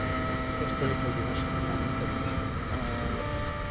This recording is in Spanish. Esto le hizo olvidarse finalmente de Michelle.